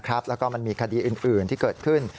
แล้วก็มันมีคดีอื่นที่เกิดขึ้น